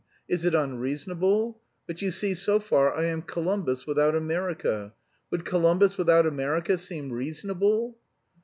Is it unreasonable? But you see, so far I am Columbus without America. Would Columbus without America seem reasonable?"